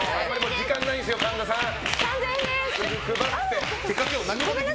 時間ないんですよ、神田さん。